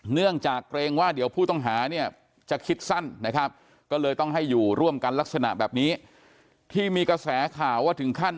เนื่องจากเกรงว่าเดี๋ยวผู้ต้องหาเนี่ยจะคิดสั้นนะครับก็เลยต้องให้อยู่ร่วมกันลักษณะแบบนี้ที่มีกระแสข่าวว่าถึงขั้น